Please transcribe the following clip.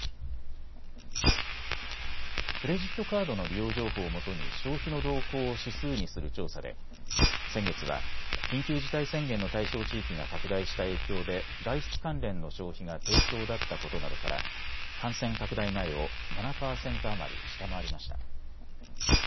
クレジットカードの利用情報をもとに消費の動向を指数にする調査で先月は、緊急事態宣言の対象地域が拡大した影響で外出関連の消費が低調だったことなどから感染拡大前を７％余り下回りました。